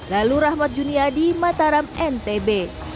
lalu rahmat junia di mataram ntb